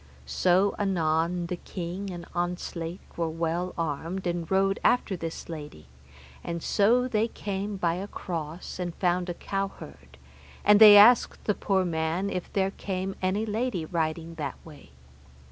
So anon the king and Ontzlake were well armed, and rode after this lady, and so they came by a cross and found a cowherd, and they asked the poor man if there came any lady riding that way.